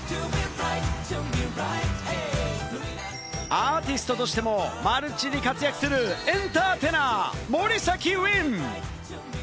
アーティストとしてもマルチに活躍するエンターテイナー、森崎ウィン。